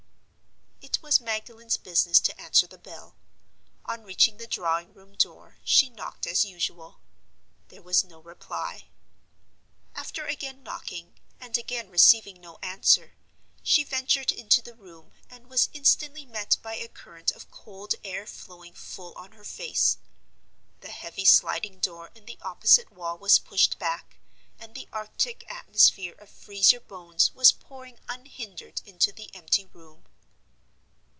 It was Magdalen's business to answer the bell. On reaching the drawing room door, she knocked as usual. There was no reply. After again knocking, and again receiving no answer, she ventured into the room, and was instantly met by a current of cold air flowing full on her face. The heavy sliding door in the opposite wall was pushed back, and the Arctic atmosphere of Freeze your Bones was pouring unhindered into the empty room.